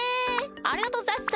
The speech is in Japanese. ありがとうございます。